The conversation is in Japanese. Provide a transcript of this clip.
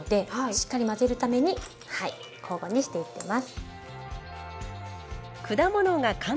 しっかり混ぜるために交互にしていってます。